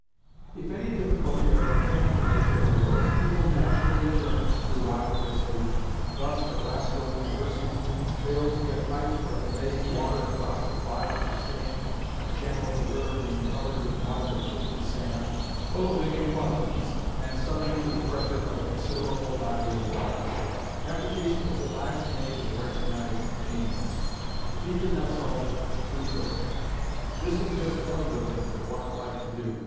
If any difficulty of a mechanical nature arose, people naturally turned to Watt for a solution. Thus the Glasgow University failed to get pipes for conveying water across the Clyde to stand, the channel of the river being covered with mud and shifty sand, full of inequalities, and subject to the pressure of a considerable body of water. Application was at last made to the recognised genius. If he could not solve it, who could? This was just one of the things that Watt liked to do.